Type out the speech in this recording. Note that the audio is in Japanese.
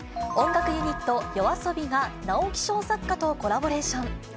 音楽ユニット、ＹＯＡＳＯＢＩが直木賞作家とコラボレーション。